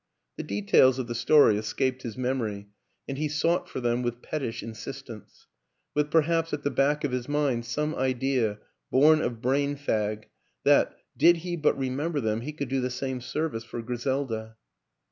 The details of the story escaped his memory and he sought for them with pettish in sistence; with perhaps at the back of his mind some idea, born of brain fag, that, did he but remember them, he could do the same service for Griselda.